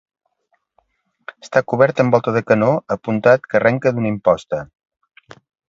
Està cobert amb volta de canó apuntat que arrenca d'una imposta.